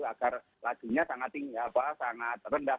agar lajunya sangat tinggi apa sangat rendah